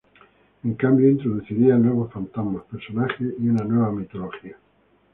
En cambio, introduciría nuevos fantasmas, personajes y una nueva mitología.